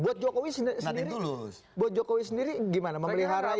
buat jokowi sendiri gimana memelihara ini